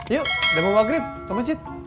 yuk udah mau maghrib ke masjid